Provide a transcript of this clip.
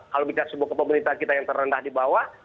kalau kita sebut ke pemerintahan kita yang terendah di bawah